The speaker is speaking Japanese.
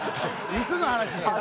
いつの話してんだ。